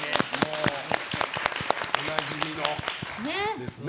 おなじみのですね。